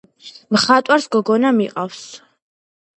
მხატვარს გოგონა მიყავს.